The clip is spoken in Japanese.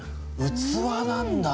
器なんだ。